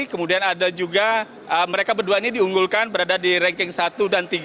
kemudian ada juga mereka berdua ini diunggulkan berada di ranking satu dan tiga